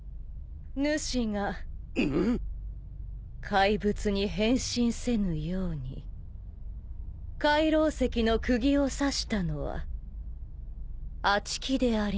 怪物に変身せぬように海楼石の釘を刺したのはあちきでありんす。